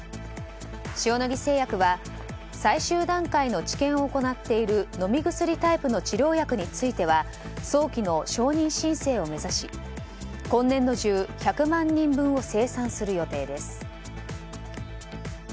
塩野義製薬は最終段階の治験を行っている飲み薬タイプの治療薬については早期の承認申請を目指し今年度中、１００万人分を生産する予定です。